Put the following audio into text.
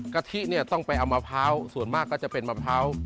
กะทิเนี่ยต้องไปเอามะพร้าวส่วนมากก็จะเป็นมะพร้าว